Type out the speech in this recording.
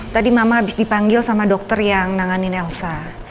tadi mama habis dipanggil sama dokter yang nanganin elsa